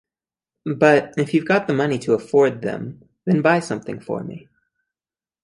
But if you've got the money to afford them, then buy something from me.